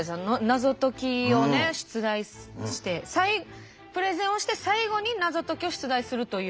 謎解きを出題してプレゼンをして最後に謎解きを出題するという。